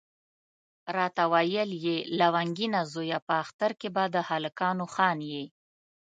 راته ویل یې لونګینه زویه په اختر کې به د هلکانو خان یې.